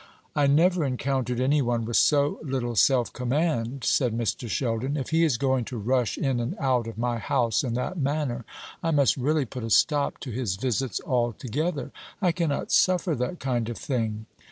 "I never encountered any one with so little self command," said Mr. Sheldon. "If he is going to rush in and out of my house in that manner, I must really put a stop to his visits altogether. I cannot suffer that kind of thing.